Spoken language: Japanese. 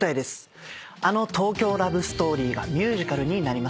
あの『東京ラブストーリー』がミュージカルになります。